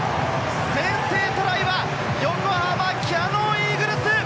先制トライは横浜キヤノンイーグルス！